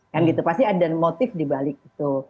dan itu pasti ada motif di balik itu